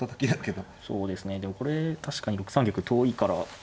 そうですねでもこれ確かに６三玉遠いから。